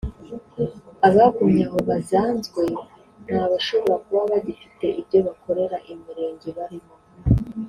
Abagumye aho bazanzwe ni abashobora kuba bagifite ibyo bakorera imirenge barimo